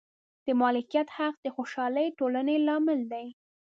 د مالکیت حق د خوشحالې ټولنې لامل دی.